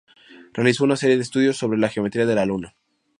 Realizó una serie de estudios sobre la geometría de la luna.